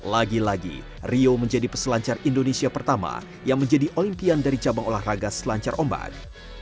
lagi lagi rio menjadi peselancar indonesia pertama yang menjadi olimpian dari cabang olahraga selancar ombak